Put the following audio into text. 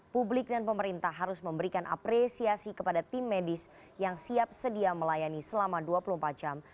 publik dan pemerintah harus memberikan apresiasi kepada tim medis yang siap sedia melayani selama dua puluh empat jam